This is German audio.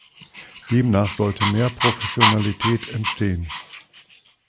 Demnach sollte mehr Professionalität entstehen.